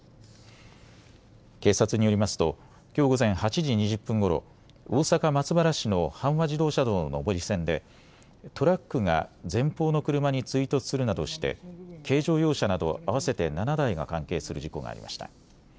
警察によりますときょう午前８時２０分ごろ、大阪松原市の阪和自動車道の上り線でトラックが前方の車に追突するなどして軽乗用車など合わせて７台が関係する事故がありました。